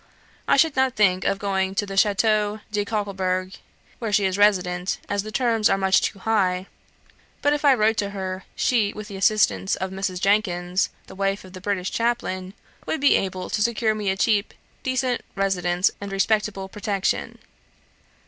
I should not think of going to the Chateau de Kokleberg, where she is resident, as the terms are much too high; but if I wrote to her, she, with the assistance of Mrs. Jenkins, the wife of the British Chaplain, would be able to secure me a cheap, decent residence and respectable protection.